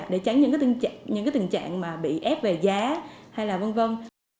để tránh những cái tình trạng mà bị ép về giá hay là vân vân